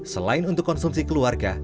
selain untuk konsumsi keluarga